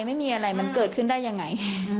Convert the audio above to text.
ไม่มีอะไรมันเกิดขึ้นได้ยังไง